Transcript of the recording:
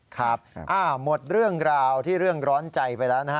ครับหมดเรื่องราวที่เรื่องร้อนใจไปแล้วนะฮะ